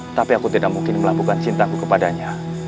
tetapi aku tidak mungkin melakukan cintaku kepada dia